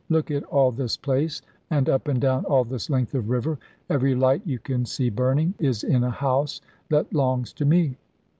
Look at all this place, and up and down all this length of river; every light you can see burning, is in a house that 'longs to me.